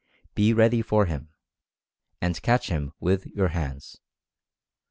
Be ready for him, and catch him with your hands.